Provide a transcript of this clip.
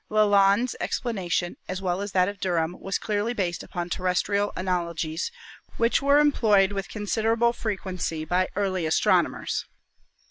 Lalande's explanation, as well as that of Derham, was clearly based upon terrestrial analogies, which were employed with considerable frequency by early astrono mers.